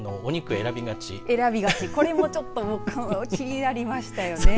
選びがち、これもちょっと気になりましたよね。